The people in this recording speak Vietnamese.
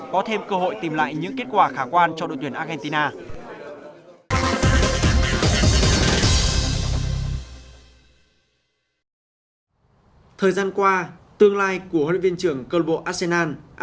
có thêm cơ hội tìm lại những kết quả khả quan cho đội tuyển argentina